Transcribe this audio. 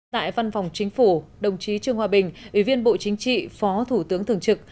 tại văn phòng chính phủ đồng chí trương hòa bình ủy viên bộ chính trị phó thủ tướng thường trực